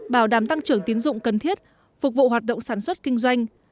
bảo đảm tăng trưởng tiến dụng cần thiết phục vụ hoạt động sản xuất kinh doanh